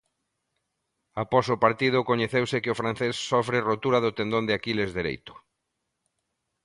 Após o partido coñeceuse que o francés sofre rotura do tendón de Aquiles dereito.